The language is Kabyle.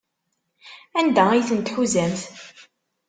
Anda ay ten-tḥuzamt?